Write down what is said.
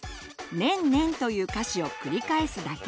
「ねんねん」という歌詞を繰り返すだけ！